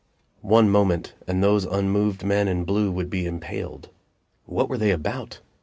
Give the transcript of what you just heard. One moment, and those unmoved men in blue would be impaled. What were they about?